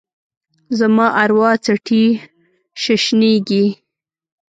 زما اروا څټي ششنیږې